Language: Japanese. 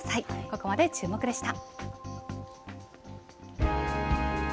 ここまでチューモク！でした。